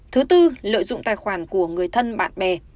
thứ tư lợi dụng tài khoản của người thân bạn bè